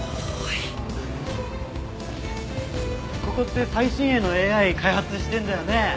ここって最新鋭のＡＩ開発してるんだよね？